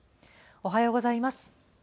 おはようございます。